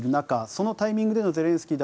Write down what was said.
そのタイミングでのゼレンスキー